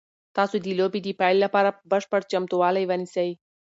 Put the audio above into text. تاسو د لوبې د پیل لپاره بشپړ چمتووالی ونیسئ.